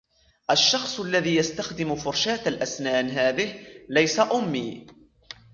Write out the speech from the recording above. الشخص الذي يستخدم فرشاة الأسنان هذه ليس أمي.